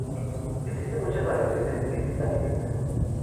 Existen muchas variaciones en esta leyenda.